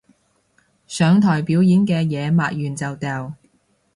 上台表演啲嘢抹完就掉